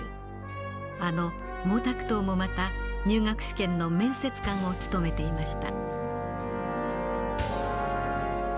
あの毛沢東もまた入学試験の面接官を務めていました。